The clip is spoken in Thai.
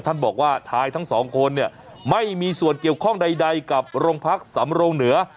บอกว่าชายทั้งสองคนเนี่ยไม่มีส่วนเกี่ยวข้องใดกับโรงพักสำรงเหนือ